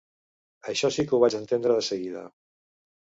Això sí que ho vaig entendre de seguida.